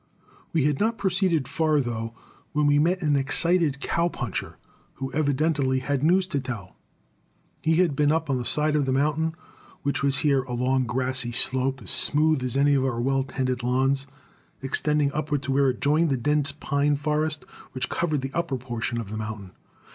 We had not proceeded far, though, when we met an excited "cow puncher," who evidently had news to tell. He had been up on the side of the mountain, which was here a long grassy slope as smooth as any of our well tended lawns, extending upward to where it joined the dense pine forest which covered the upper portion of the mountain.